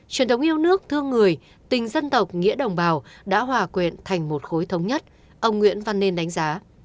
truyền thống yêu nước thương người tình dân tộc nghĩa đồng bào đã hòa quyện thành một khối thống nhất ông nguyễn văn nên đánh giá